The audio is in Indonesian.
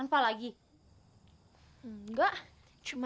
enggak cuman rangga tuh pengen bawa abdul ke rumah sakit biar cepet sembuh